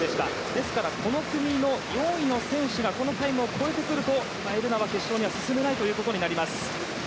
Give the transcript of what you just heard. ですから、この組の４位の選手がこのタイムを超えてくると今井月は決勝には進めないということになります。